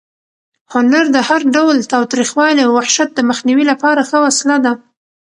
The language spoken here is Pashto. هنر د هر ډول تاوتریخوالي او وحشت د مخنیوي لپاره ښه وسله ده.